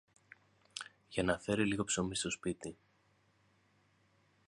για να φέρει λίγο ψωμί στο σπίτι.